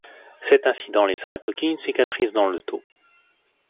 Cet incident laissa à Toki une cicatrice dans le dos.